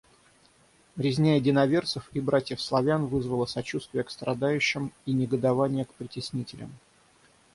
Резня единоверцев и братьев Славян вызвала сочувствие к страдающим и негодование к притеснителям.